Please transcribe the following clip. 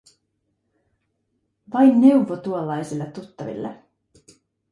Vain neuvo tuollaisille tuttaville.